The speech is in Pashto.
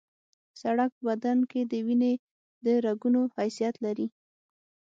سړک په بدن کې د وینې د رګونو حیثیت لري